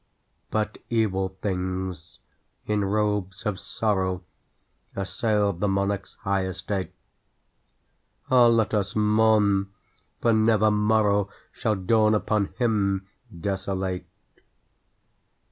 But evil things, in robes of sorrow, Assailed the monarch's high estate. (Ah, let us mourn! for never morrow Shall dawn upon him desolate